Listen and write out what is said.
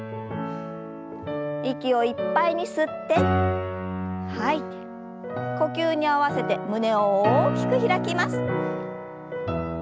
息をいっぱいに吸って吐いて呼吸に合わせて胸を大きく開きます。